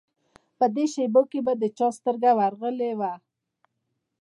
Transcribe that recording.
په دې شپو کې به د چا سترګه ورغلې وای.